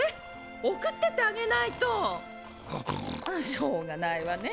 しょうがないわね。